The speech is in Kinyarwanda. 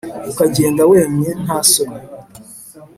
ukagenda wemye nta soni